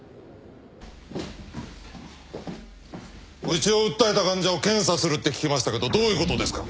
うちを訴えた患者を検査するって聞きましたけどどういうことですか？